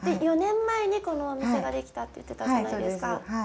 ４年前にこのお店ができたって言ってたじゃないですか。